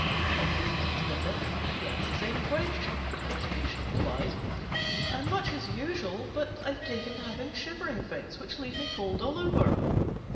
On his next visit he asked the same question, and his patient replied, "I'm much as usual, but I've taken to having shivering fits, which leave me cold all over."